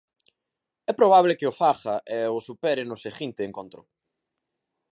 É probable que o faga e o supere no seguinte encontro.